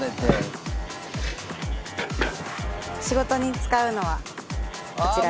仕事に使うのはこちらです。